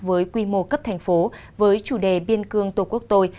với quy mô cấp thành phố với chủ đề biên cương tổ quốc tôi